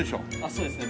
そうですね。